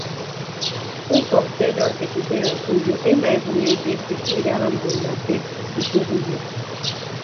Ufọk fedraad sekriteriad ke uyo amaabuuro eti eti ke idaha mbon napep ke ikpehe uyo.